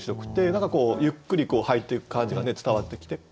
何かこうゆっくり入っていく感じが伝わってきて。